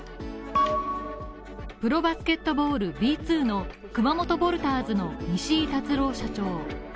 プロバスケットボールＢ２の熊本ヴォルタ−ズの西井辰朗社長。